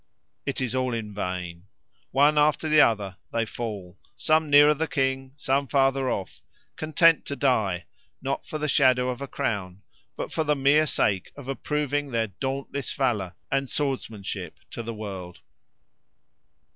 It is all in vain. One after the other they fall, some nearer the king, some farther off, content to die, not for the shadow of a crown, but for the mere sake of approving their dauntless valour and swordsmanship to the world.